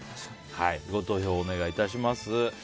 ご投票、お願いいたします。